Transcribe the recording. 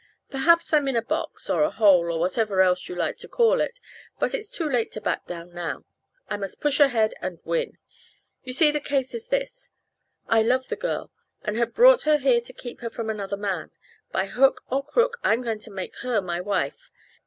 "Perhaps I'm in a box, or a hole, or whatever else you like to call it, but it's too late too back down now I must push ahead and win. You see the case is this: I love the girl and had her brought here to keep her from another man. By hook or crook I'm going to make her my wife.